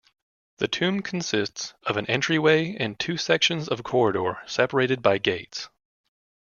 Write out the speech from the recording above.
The tomb consists of an entryway and two sections of corridor separated by gates.